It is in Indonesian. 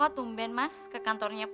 ampuni dosa allah